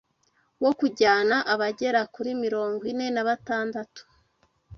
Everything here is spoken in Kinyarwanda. wo kujyana abagera kuri mirongwine nabatantatu